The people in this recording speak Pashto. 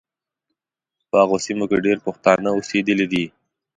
په هغو سیمو کې ډېر پښتانه اوسېدلي دي.